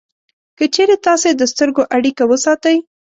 که چېرې تاسې د سترګو اړیکه وساتئ